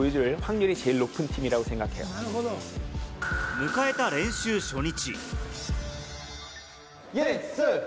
迎えた練習初日。